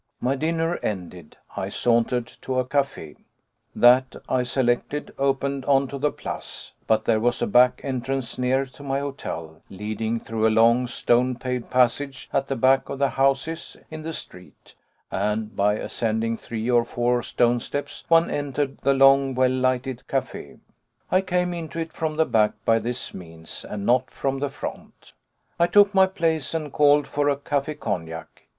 My dinner ended, I sauntered to a café. That I selected opened on to the Place, but there was a back entrance near to my hotel, leading through a long, stone paved passage at the back of the houses in the street, and by ascending three or four stone steps one entered the long, well lighted café. I came into it from the back by this means, and not from the front. I took my place and called for a café cognac.